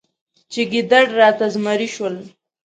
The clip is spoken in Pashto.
چې ګیدړ راته زمری شول.